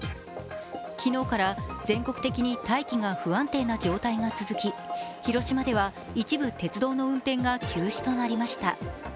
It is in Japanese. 昨日から、全国的に大気が不安定な状態が続き、広島では一部、鉄道の運転が休止となりました。